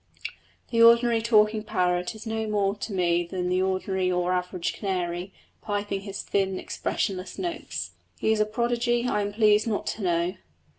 The ordinary talking parrot is no more to me than the ordinary or average canary, piping his thin expressionless notes; he is a prodigy I am pleased not to know.